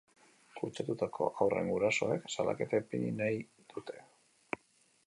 Kutsatutako haurren gurasoek salaketa ipini nahi dute.